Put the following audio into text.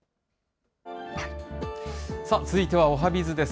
続いてはおはＢｉｚです。